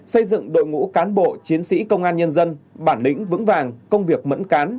xây dựng đội ngũ cán bộ chiến sĩ công an nhân dân bản lĩnh vững vàng công việc mẫn cán